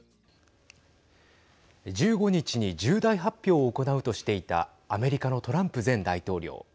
１５日に重大発表を行うとしていたアメリカのトランプ前大統領。